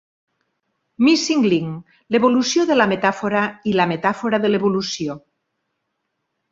Missing Link: l'evolució de la metàfora i la metàfora de l'evolució.